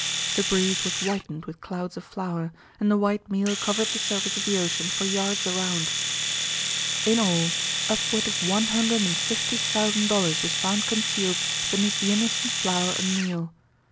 The breeze was whitened with clouds of flour, and the white meal covered the surface of the ocean for yards around. In all, upward of one hundred and fifty thousand dollars was found concealed beneath the innocent flour and meal.